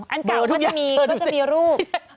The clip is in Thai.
อันเก่าก็จะมีก็จะมีรูป